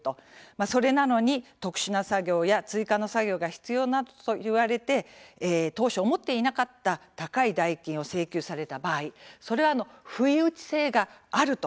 それなのに特殊な作業や追加の作業が必要だと言われて当初思っていなかった高い代金を請求された場合それは不意打ち性があると。